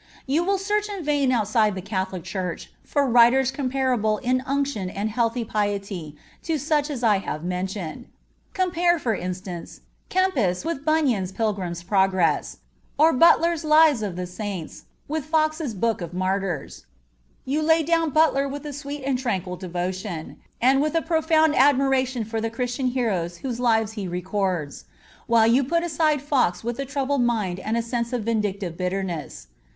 You will search in vain outside the Catholic Church for writers comparable in unction and healthy piety to such as I have mentioned. Compare, for instance, Kempis with Bunyan's Pilgrim's Progress, or Butler's Lives of the Saints with Foxe's Book of Martyrs. You lay down Butler with a sweet and tranquil devotion, and with a profound admiration for the Christian heroes whose lives he records; while you put aside Foxe with a troubled mind and a sense of vindictive bitterness.